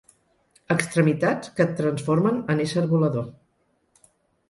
Extremitats que et transformen en ésser volador.